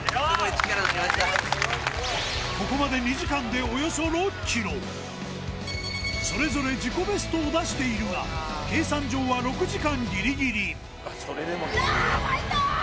ここまで２時間でおよそ６ｋｍそれぞれ自己ベストを出しているが計算上は６時間ギリギリファイト！